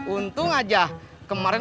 untung aja kemarin udah berhenti